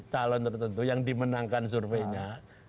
calon tertentu yang dimenangkan surveinya